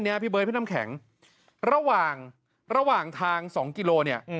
พี่เบิร์ดพี่น้ำแข็งระหว่างระหว่างทางสองกิโลเนี่ย